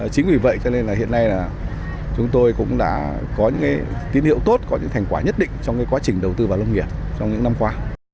chính vì vậy cho nên hiện nay là chúng tôi cũng đã có những tín hiệu tốt có những thành quả nhất định trong quá trình đầu tư vào lông nghiệp trong những năm qua